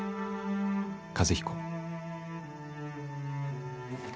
和彦」。